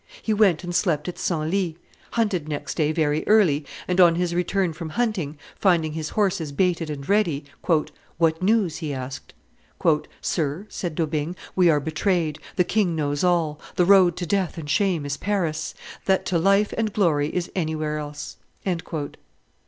He went and slept at Senlis; hunted next day very early, and, on his return from hunting, finding his horses baited and ready, "What news?" he asked. "Sir," said D'Aubigne, "we are betrayed; the king knows all; the road to death and shame is Paris; that to life and glory is anywhere else."